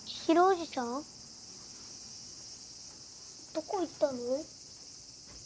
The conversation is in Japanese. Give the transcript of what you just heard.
どこ行ったの？